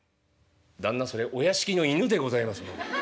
「旦那それお屋敷の犬でございます。